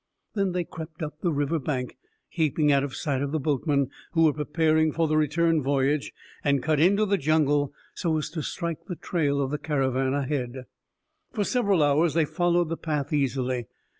Then they crept up the river bank, keeping out of sight of the boatmen, who were preparing for the return voyage, and cut into the jungle so as to strike the trail of the caravan ahead. For several hours they followed the path easily.